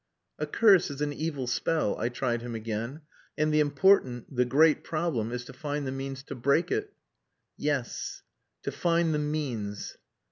"A curse is an evil spell," I tried him again. "And the important, the great problem, is to find the means to break it." "Yes. To find the means."